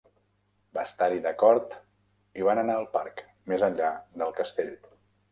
Va estar-hi d'acord i van anar al parc, més enllà del castell.